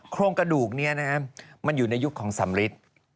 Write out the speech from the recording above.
โครงกระดูกนี้มันอยู่ในยุคของสำริท